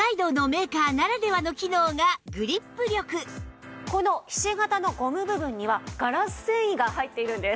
さらにこのひし形のゴム部分にはガラス繊維が入っているんです。